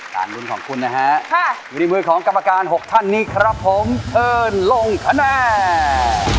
นางลุ้นของคุณนะฮะดีมือของกรรมการ๖ท่านนี้ครับผมเทินลงขนาด